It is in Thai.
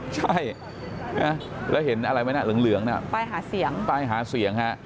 ใช่แล้วเห็นอะไรไหมน่ะเหลืองน่ะป้ายหาเสียงป้ายหาเสียงฮะ